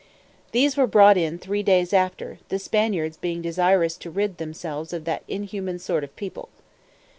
These were brought in three days after, the Spaniards being desirous to rid themselves of that inhuman sort of people.